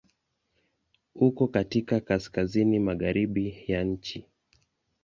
Uko katika Kaskazini magharibi ya nchi.